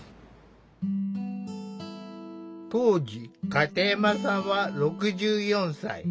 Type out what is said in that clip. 当時片山さんは６４歳。